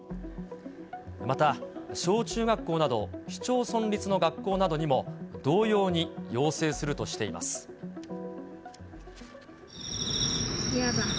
また、小中学校など市町村立の学校などにも、同様に要請するとしていま嫌だ。